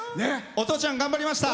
お父ちゃん、頑張りました。